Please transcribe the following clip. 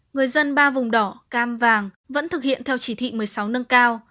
người dân ba vùng đỏ cam vàng vẫn thực hiện theo chỉ thị một mươi sáu nâng cao